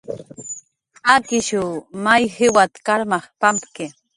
Akishw may jiwat karmaj pampki